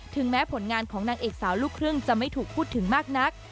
แม้ผลงานของนางเอกสาวลูกครึ่งจะไม่ถูกพูดถึงมากนัก